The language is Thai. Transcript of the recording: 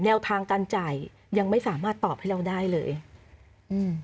แนวทางการจ่ายยังไม่สามารถตอบให้เราได้เลยอืม